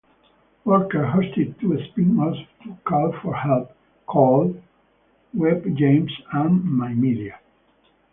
Walker hosted two spin-offs to Call For Help called Web Gems and My Media.